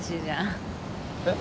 えっ？